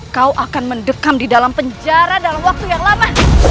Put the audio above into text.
kau akan mendekam di dalam penjara dalam waktu yang lama